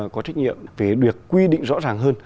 có trách nhiệm về được quy định rõ ràng hơn